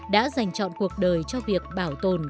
đã dành chọn cuộc đời cho việc bảo tồn